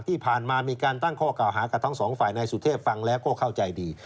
ที่ผ่านมามีการตั้งข้อก้าวหากับทั้ง๒ฝ่ายในสุเทพฯฟังและเข้าใจดี